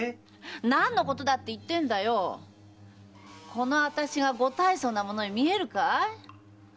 このあたしがご大層な者に見えるかい